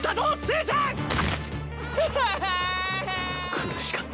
苦しかった。